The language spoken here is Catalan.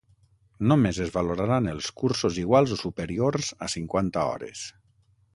Només es valoraran els cursos iguals o superiors a cinquanta hores.